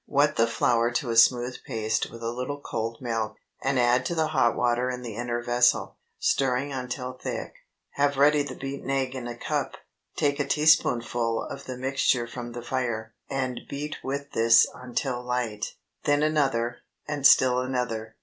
Wet the flour to a smooth paste with a little cold milk, and add to the hot water in the inner vessel, stirring until thick. Have ready the beaten egg in a cup. Take a teaspoonful of the mixture from the fire, and beat with this until light; then another, and still another.